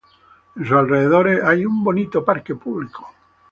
En sus alrededores hay un bonito parque público.